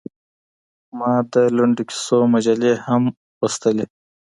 ما د لنډو کيسو مجلې هم لوستلې.